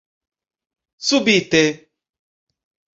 subite